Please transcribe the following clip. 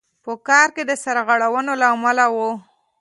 په کار کې د سرغړونو له امله وو.